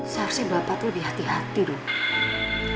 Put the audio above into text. seharusnya bapak tuh lebih hati hati dong